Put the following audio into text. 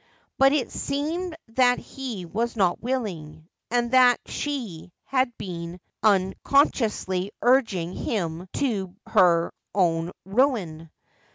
But it seemed that he was not willing, and that she had been unconsciously urging him to her own ruin.